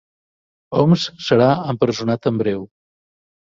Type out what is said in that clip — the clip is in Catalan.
Homs serà empresonat en breu